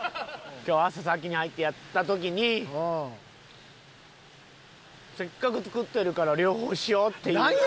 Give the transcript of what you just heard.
今日朝先に入ってやった時にせっかく作ってるから両方しようっていう。